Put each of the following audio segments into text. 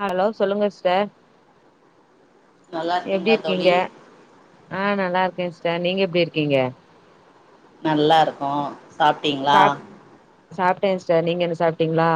hello சொல்லுங்க sister நல்லா எப்டி இருக்கீங்களா இருக்கீங்க தோழி ஆ நல்லா இருக்க சிஸ்டர் நீங்க எப்டி இருக்கீங்க நல்லா இருக்கோ சாப்புட்டீங்களா சாப் சாப்ட்டே சிஸ்டர் நீங்க என்ன சாப்ட்டீங்களா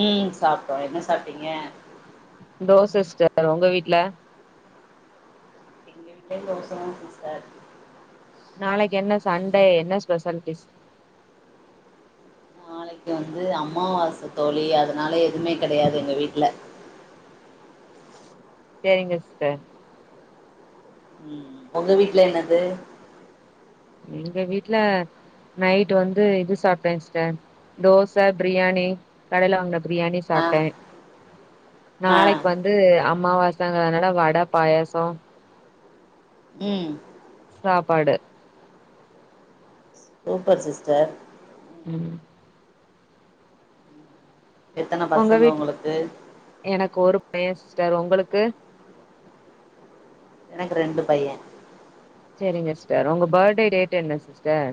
ம் சாப்ட்டோ என்ன சாப்ட்டீங்க தோச சிஸ்டர் உங்க வீட்டு்ல இங்கயு தோச தா சிஸ்டர் நாளைக்கு என்ன சண்டே என்ன ஸ்பெஷல் டிஸ் நாளைக்கு வந்து அமாவாச தோழி அதனால எதுவுமே கிடையாது எங்க வீட்டுல சேரிங்க சிஸ்டர் ம் உங்க வீட்டு்ல என்னது எங்க வீட்டு்ல நைட் வந்து இது சாப்ட்ட சிஸ்டர் தோச பிரியாணி கடையில வாங்கின பிரியாணி ஆ சாப்ட்ட ஆ நாளெக்கு வந்து வந்து அமாவாசங்கறனால வட பாயாசோ ம் சாப்பாடு சூப்பர் சிஸ்டர் ம் எத்தன உங்க பசங்க வீட்ல உங்களுக்கு எனக்கு ஒரு பைய சிஸ்டர் உங்குளுக்கு எனக்கு ரெண்டு பைய சேரிங்க சிஸ்டர் உங்க பர்த்டே டேட் என்ன சிஸ்டர்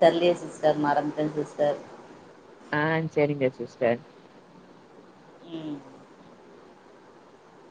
தெர்லயே சிஸ்டர் மறந்துட்ட சிஸ்டர் ஆ சேரிங்க சிஸ்டர் ம்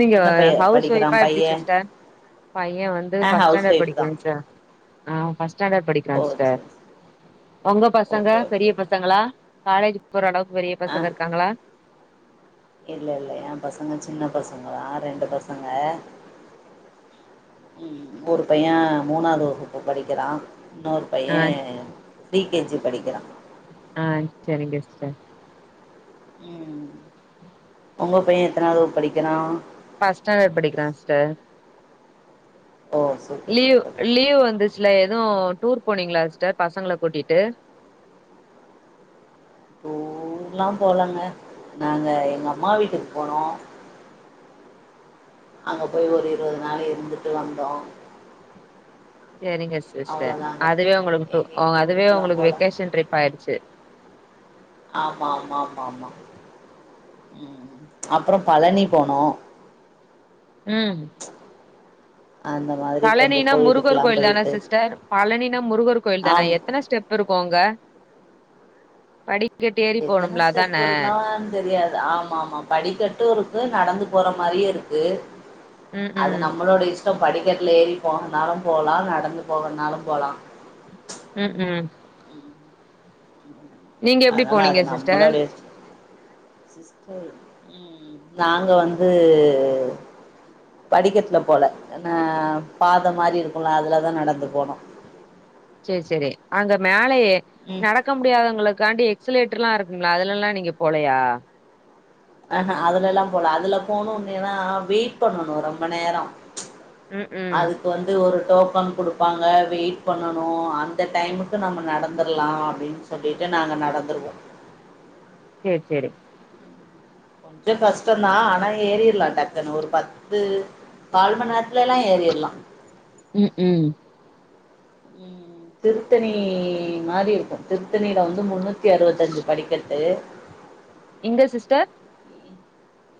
நீங்க என்ன பைய ஹவுஸ் படிக்கிறா ஒய்ப்ஃபா எப்டி பைய சிஸ்டர் பைய வந்து ஆ ஃபஸ்ட் ஹவுஸ் ஸ்டேண்டர்ட் ஒய்ஃப் தா படிக்குறா சிஸ் ஆ அவ ஃபஸ்ட் ஸ்டேண்டட் படிக்குறா ஓ சிஸ்டர் சரி சரி உங்க பசங்க ஓகே பெரிய ஓகே பசங் பசங்களா காலேஜ்க் போற அளவுக் பெரிய ஆ பசங்க இருக்காங்களா இல்ல இல்ல எ பசங்க சின்ன பசங்கதா ரெண்டு பசங்க ஒரு பைய மூணாது வகுப்பு படிக்குறா இன்னொரு பைய ஆ பிரீ கே ஜி படிக்குறா ஆ சேரிங்க சிஸ்டர் ம் உங்க பைய எத்தனாவகுப்பு படிக்குறா ஃபஸ்ட் ஸ்டாண்டர்ட் படிக்குறா சிஸ்டர் ஓ செ லீவ் லீவ் வந்துச்சுல்ல எது டூர் போனீங்ளா சிஸ்டர் பசங்கள கூட்டிட்டு டூர்லா போலங்க நாங்க எங்க அம்மா வீட்டுக் போனோ அங்க போய் ஒரு இருவது நாள் இருந்துட்டு வந்தோ சேரிங்க சிஸ்டர் அவ்ளோதாங்க அதுவே உங்குளுக்கு டூர் எங்கயு அ அதுவே டூருக்குலா உங்குளுக்கு போல வெக்கேஷன் ட்ரிப் ஆய்ருச்சு ஆமா ஆமா ஆமா ஆமா ம் அப்பறோ பழனி போனோ ம் ஆம பழனினா முருகர் கோயில்தான சிஸ்டர் பழனினா முருகர் கோயில்தான ஆம் எத்தன ஸ்டெப் இருக்கு அங்க படிக்கட்டு ஏறி எத்தன போணும்ல அத்தான ஸ்டெப் இருக்குனான் தெரியாது ஆமா ஆமா படிக்கட்டு இருக்கு நடந்து போற மாரியு இருக்கு ம் அது ம் நம்மளோட இஷ்டோ படிக்கட்ல ஏறி போணுனாலு போலா நடந்து போகணுனாலு போலா ம் ம் நீங்க எப்டி ஆனா அத போனீங்க நா சிஸ்டர் நம்பளலே சிஸ்டர் ம் நாங்க வந்து படிக்கட்ல போல நா பாதமாரி இருக்குல்ல அதுலதா நடந்து போனோ செரி செரி அங்க மேலயே ம் நடக்க முடியாதவங்களுக்காண்டி எக்ஸ்லேட்டர்லா இருக்கும்ல அதுலலா நீங்க போலயா அஹ அதுலலா போல அதுல போணு அப்டினா வெயிட் பண்ணணு ரொம்ப நேரோ ம் ம் அதுக் வந்து ஒரு டோக்கன் குடுப்பாங்க வெயிட் பண்ணணு அந்த டைமுக்கு நம்ம நடந்துர்லா அப்டின் அப்டின்டு நாங்க நடந்துருவோ செரி செரி கொஞ்சோ கஷ்டோதா ஆனா ஏறிர்லா டக்குனு ஒரு பத்து கால்மண் நேர்த்துலலா ஏறிர்லா ம் ம் ம் திருத்தணி மாரி இருக்கு திருத்தணில வந்து முன்னூத்தி அறுவத்தஞ்சு படிக்கட்டு எங்க சிஸ்டர்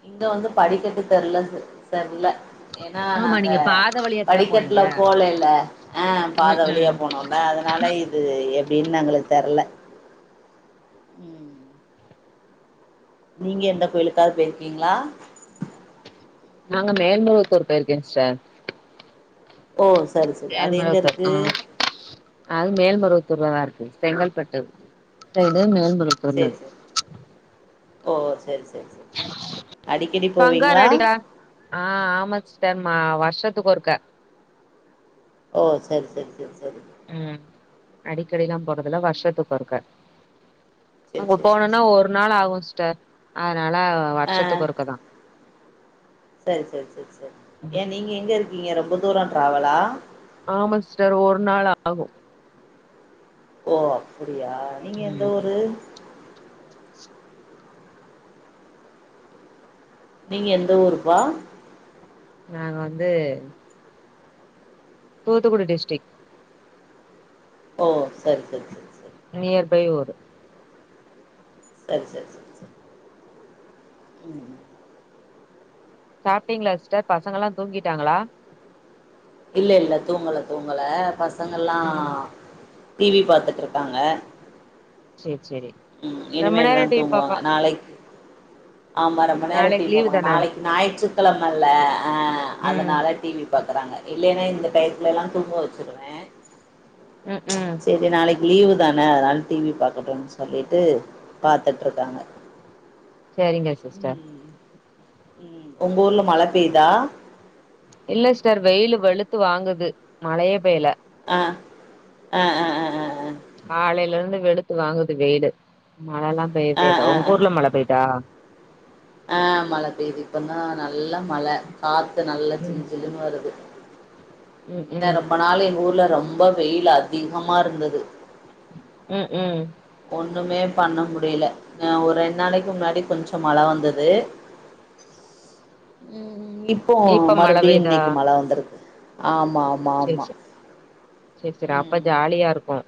இங்க வந்து படிக்கட்டு தெர்ல சிஸ் தெர்ல ஏன்னா ஆமா நாங்க நீங்க பாத வழியா தான போனீங்க படிக்கட்ல போலைல ஆ பாத ம் வழியா ம் போனோ ல அதனால இது எப்டின் எங்ளுக்கு தெர்ல ம் நீங்க எந்த கோயிலுக்காவது போயிருக்கீங்ளா நாங்க மேல்மருவத்தூர் போயிருக்கே சிஸ்டர் ஓ சரி சரி அது எங்க மேல்மருவத்தூர் இருக்கு ஆ அது மேல்மருவத்தூர்ல தா இருக்கு செங்கல்பட்டு இது மேல்மருவத் சேர் சேர் ஓ செரி செ பங்காரு அடிகளார் ஆ ஆம சிஸ்டர் ம வருஷத்துக்கு ஒருக்க ஓ செர் செரி செரி செரி ம் அடிக்கடிலா போறதில்ல வருஷத்துக்கு ஒருக்க சரி அங்க சரி சரி போனுனா சரி ஒரு நாள் ஆகு சிஸ்டர் அதனால ஆ வருஷத்துக்கு ஒருக்கதா செரி செரி செரி செரி ஏ நீங்க எங்க இருக்கீங்க ரொம்ப தூரோ ட்ராவலா ஆமா சிஸ்டர் ஒரு நாள் ஆகு ஓ அப்படியா நீங்க எந்த ஊரு நீங்க எந்த ஊருப்பா நாங்க வந்து தூத்துக்குடி டிஸ்டிக் ஓ சரி சரி சரி சரி நியர் பை ஊரு சரி சரி ச ம் சாப்ட்டீங்ளா சிஸ்டர் பசங்கலா தூங்கிட்டாங்ளா இல்ல இல்ல தூங்கல தூங்கல பசங்கள்லா ம் டி வி பாத்துட்ருக்காங்க சேர் செரி ம் இனிமேல்தாதூங்குவாங்க நாளைக் ஆமா ரொம்ப நேரோ டி நாளைக்கு வி லீவு பாப்பாங்க தான நாளைக்கு ஞாயிற்றுக்கிழமல்ல ஆ ம் அதனால டி வி பாக்றாங்க இல்லன்னா இந்த டைத்துலலா தூங்க வச்சுருவே ம் ம் செரி நாளைக் லீவு தானே அதனால டி வி பாக்கட்டுன் சொல்லிட்டு பாத்துட்ருக்காங்க செரிங்க சிஸ்டர் ம் உங்க ஊர்ல மழை பெய்தா இல்ல சிஸ்டர் வெயிலு வெளுத்து வாங்குது மழையே பெய்ல ஆ ஆ ஆ ஆ ஆ காலல இருந்து வெளுத்து வாங்குது வெயிலு மழலா ஆ பெயவே இல்ல ஆ ஒங் ஆ ஊர்ல மழை பெய்தா ஆ மழ பெய்து இப்ப தா நல்ல மழ காத்து நல்ல ஜிலு ஜிலுன் வருது ம் ஏனா ம் ரொம்ப நாள் எங்க ஊர்ல ரொம்ப வெயில் அதிகமா இருந்துது ம் ம் ஒண்ணுமே பண்ண முடில ஒரு ரெண் நாளைக்கு முன்னாடி கொஞ்சோ மழ வந்தது ம் ம் இப் ப்போ இப்ப மழ மறுபடியு பெய்தா இன்னைக் மழ வந்துருக்கு சேரி ஆமாமாமா சேரி சேரி சேரி அப்ப ஜாலியா இருக்கு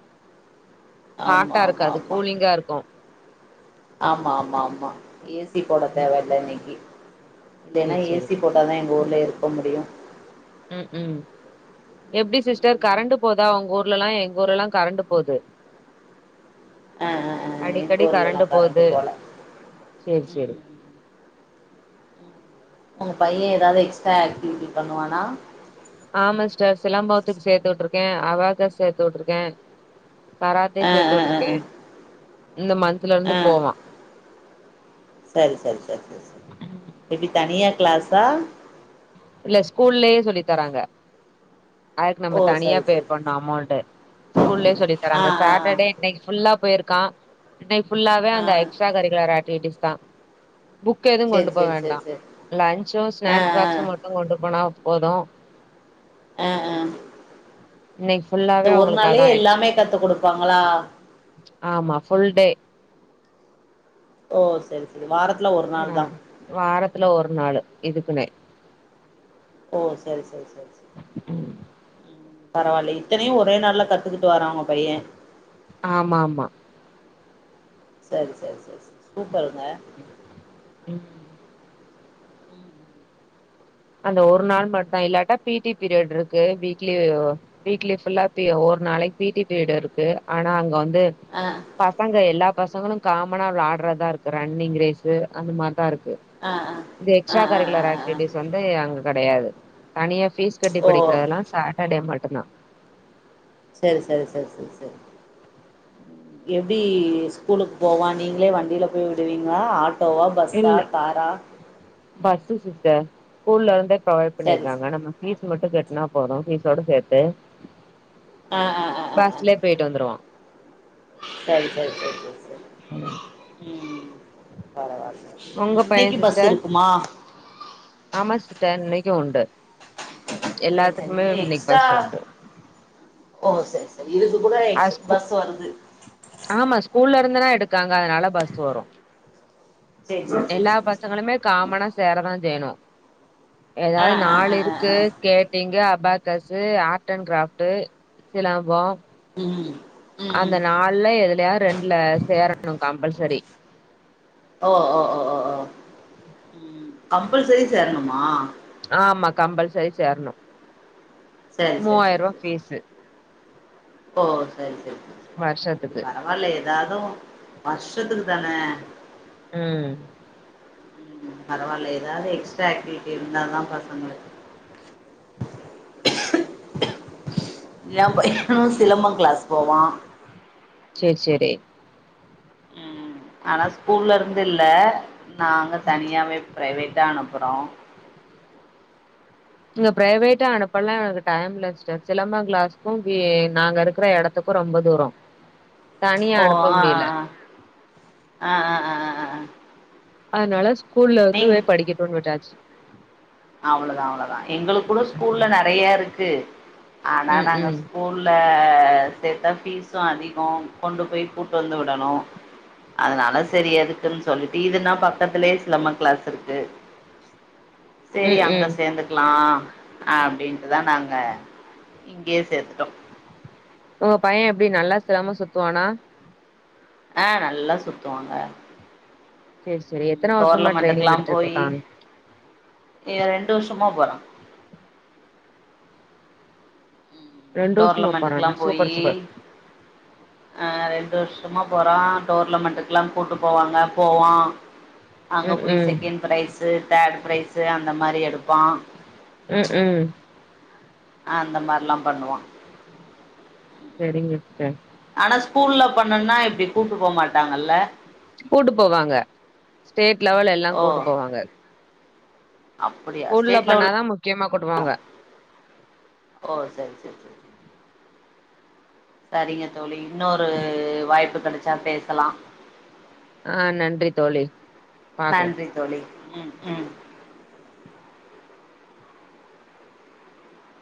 ஆமா ஹாட்டா ஆமா இருக்காது கூலிங்கா இருக்கு ஆமாமாம்மா ஏசி போட தேவல்ல இன்னக்கி இல்லேனா சேரி சேரி ஏசி போ ப்பதா எங்க ஊர்ல இருக்க முடியு ம் ம் எப்டி சிஸ்டர் ம் கரண்டு போதா உங்க ஊர்லலா எங்க ஊர்லலா கரண்டு போது ஆ ஆ ஆ எங்க அடிக்கடி ஊர்லலா கரண்ட் கரண்டு போது போல சேரி ம் ம் சேரி ம் உங்க பைய எதாவது எக்ஸ்ட்ரா ஆக்டிவிட்டி பண்ணுவானா ஆமா சிஸ்டர் சிலம்பத்துக்கு சேத்து விட்ருக்கே அபாகஸ் சேத்து விட்ருக்கே கராத்தே ஆ ஆ ஆ சேத்துவுட்ருக்கே ஆ இந்த மந்த்துல இருந்து போவா செரி செரி செரி செரி சரி எப்டி தனியா கிளாஸா இல்ல ஸ்கூல்லயே சொல்லி தாராங்க அதுக்கு ஓ நம்ம தனியா சரி பே சரி சரி பண்ணு சரி அமௌண்டு ஸ்கூல்லயே சொல்லி ஆ தராங்க ஆ சாட்டர்டே இன்னக்கி ஃபுல்லா போய்ருக்கா இன்னைக்கு ஃபுல்லாவே ஆ ஆ அந்த எக்ஸ்ட்ரா கரிக்குலர் ஆக்டிவிட்டிஸ் தா புக் எதுவு சரி கொண்டு போ சரி சரி வேண்டா சரி லன்ச்சு ஆ ஸ்நாக்ஸ் பாக்சு மட்டு கொண்டு போனா போது அ அ இன்னைக் இந்த ஒரு நாள்லே எல்லாமே கத்து குடுப்பாங்களா ஆமா ஃபுல் டே ஓ செரி ச இது வாரத்துல ஒரு நாள் தான் ம் வாரத்துல ஒரு நாள் இதுக்குனே ஓ சரி சரி சரி சரி ம் ம் பரவால்ல இத்தனையு ஒரே நாள்ல கத்துக்கிட்டு வரா உங்க பைய ஆமா ஆம்மா சரி சரி சரி சரி சூப்பர்ங்க ம் அந்த ஒரு நாள் மட்டு இல்லாட்டா பீ டி பீரியட் இருக்கு வீக்லி வீக்லி ஃபுல்லா பீ ஒரு நாளைக்கு பீ டி பீரியட் இருக்கு ஆனா அங்க வந்து ஆ பசங்க எல்லா பசங்களு காமனா வெளாடுறதா இருக்கு ரன்னிங் ரேஸ்சு அந்த மார்தா இருக்கு ஆ ஆ இந்த எக்ஸ்ட்ரா ஆ ஆ ஆ கரிக்குலர் ஆ ஆ ஆக்டிவிட்டிஸ் வந்து அங்க கெடையாது தனியா ஃபீஸ் கட்டி ஓ படிக்கிறதெல்லா ச சாட்டடே மட்டுந்தா சரி சரி சரி சரி சரி எப்டி ஸ்கூலுக்கு போவா நீங்களே வண்டியில போய் விடுவீங்களா ஆட் டோவா பஸ்சா காரா பஸ்சு சிஸ்டர் ஸ்கூல்ல இருந்தே ப்ரொவைட்‌ சரி சரி பண்ணிருக்காங்க நம்ம பீஸ் மட்டு கட்னா போது பீஸோட சேத்து ஆ ஆ ஆ ஆ ஆ பஸ்லே போய்ட்டு வந்துருவா சரி சரி சரி சரி சரி ம் பரவால்ல உங்க பைய இன்னைக்கு பஸ் சிஸ்டர் இருக்குமா ஆமா சிஸ்டர் இன்னைக்கு உண்டு சேர் சேரி எல்லாத்துக்குமே இல்ல இன்னைக்கு எக்ஸ்ட்ரா பஸ் உண்டு ஓ சேர் சேரி இதுக்கு கூட அ எக்ஸ் ஸ்கூ பஸ் வருது ஆமா ஸ்கூல்ல இருந்தனா எடுக்காங்க அதனால பஸ் வரு சரி சரி சரி எல்லா சரி சரி பசங்களுமே காமனா சேரதா செய்ணு ஆ எதாது ஆ ஆ ஆ நாலுருக்கு ஆ skating abacus art and craft சிலம்போ ம் ம் அந்த நாள்ல எதுலயா ரெண்ட்ல சேரணு கம்பல்சரி ஓ ஓ ஒ ஒ ஓ ம் கம்பல்சரி சேர்ணுமா ஆமா கம்பல்சரி சேர்ணு சரி சரி சரி மூவாய்ர்வா சரி சரி ஃபீசு ஓ சரி சரி சரி வருஷத்துக்கு பரவால்ல ஏதாதூ வர்ஷத்துக்குதான ம் ம் பரவால்ல எதாது எக்ஸ்ட்ரா ஆக்டிவிட்டி இர்ந்தாதா பசங்ளுக்கு [unintelligible] என் பையனு சிலம்போ கிளாஸ் போவா சேர் சேரி ம் ஆனா ஸ்கூல்ல இருந்தில்ல நாங்க தனியாவே ப்ரைவேட்டா அனுப்புறோ இங்க ப்ரைவேட்டா அனுப்பலா எனுக்கு டைம் இல்ல சிஸ்டர் சிலம்ப கிளாஸ்க்கு வே நாங்க இருக்ற எடத் துக்கு ரொம்ப தூரோ தனியா ஓ அனுப்ப ஆ முடியல அ அ அ அ அ அ அதுனால நீங் ஸ்கூல்லர்ந்துவே படிக்கட்டுன் விட்டாச்சு அவ்ளதா அவ்ளதா எங்ளுக் கூட ஸ்கூல்ல நறையா இருக்கு ஆனா ம் நாங்க ம் ஸ்கூ ல்ல சேத்தா ஃபீஸு அதிகோ கொண்டுபோய் கூட்டு வந்து விடணு அதுனால செரி எதுக்குன் சொல்லிட்டு இதுனா பக்கத்திலே சிலம்ப கிளாஸ் இருக்கு சேரி ம் அங்க ம் சேந்துக்லா அப்டின்ட்டுதா நாங்க இங்யே சேத்துட்டோ உங்க பையன் எப்டி நல்லா சிலம்போ சுத்துவானா ஆ நல்லா சுத்துவாங்க சேரி சேரி ம் எத்தன வருஷமா டோர்லமெண்ட்டுக்ளா ட்ரைனிங் எடுத்துட்டு போயி இருக்காங்க இவே ரெண்டு வர்ஷமா போறான் ரெண்டு வருஷமா டோர்லமெண்ட்டுக்ளா போறானா போயி சூப்பர் சூப்பர் அ ரெண்டு வர்ஷமா போறான் டோர்லமெண்ட்டுக்ளா கூட்டு போவாங்க போவான் அங்க ம் போய் ம் செக்கெண் ப்ரைஸு தேர்ட் ப்ரைஸு அந்த மாரி எடுப்பான் ம் ம் அந்த மார்லா பண்ணுவான் செரிங்க சிஸ்டர் ஆனா ஸ்கூல்ல பண்ணன்னா இப்டி கூப்ட்டு போ மாட்டாங்கல்ல கூட்டு போவாங்க ஸ்டேட் லெவல் எல்லா ஓ கூட்டு போவாங்க அப்படியா ஸ்கூல்ல ஸ்டேட் லெவல் பண்ணாதா முக்கியமா கூட்டு போவாங்க ஓ சரி சரி சரி சரிங்க தோழி இன்னொரு வாய்ப்பு கெடச்சா பேசலா ஆ நன்றி தோழி பாக்கலா நன்றி தோழி ம் ம்